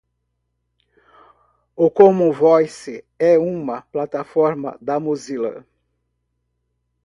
O Common Voice é uma plataforma da Mozilla